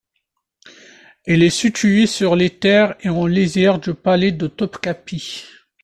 Il est situé sur les terres et en lisière du palais de Topkapı.